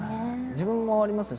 自分もありますよ。